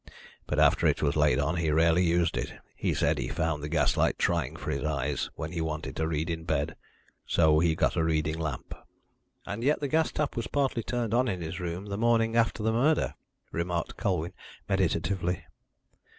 But after it was laid on he rarely used it. He said he found the gaslight trying for his eyes when he wanted to read in bed, so he got a reading lamp." "And yet the gas tap was partly turned on in his room the morning after the murder," remarked Colwyn meditatively.